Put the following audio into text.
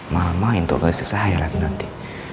malah main tuh gak sisa air lagi nanti